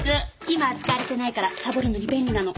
今は使われてないからサボるのに便利なの。